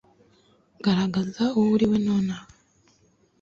garagaza uwo uri we nonaha